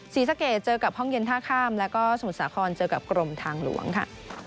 ศรีสะเกดเจอกับห้องเย็นท่าข้ามแล้วก็สมุทรสาครเจอกับกรมทางหลวงค่ะ